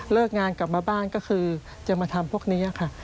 งานกลับมาบ้านก็คือจะมาทำพวกนี้ค่ะ